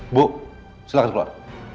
ibu silahkan keluar